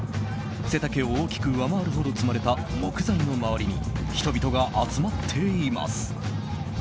背丈を大きく上回るほど積まれた木材の周りに人々が集まっています。